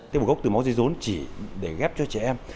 tế bào gốc từ máu dây dốn chỉ để ghép cho trẻ em